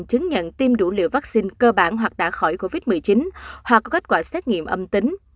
các cơ quan chứng nhận tiêm đủ liều vaccine cơ bản hoặc đã khỏi covid một mươi chín hoặc có kết quả xét nghiệm âm tính